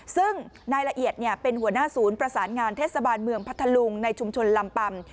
ซึ่งนายละเอียดเป็นหัวหน้าศูนย์ประสานงานเทศบาลเมืองพัทธลุงในชุมชนลำปำ